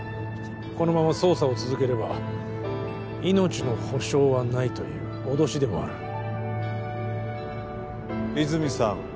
このまま捜査を続ければ命の保証はないという脅しでもある泉さん